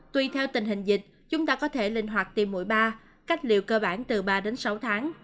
tùy theo tình hình dịch chúng ta có thể linh hoạt tìm mũi ba cách liệu cơ bản từ ba đến sáu tháng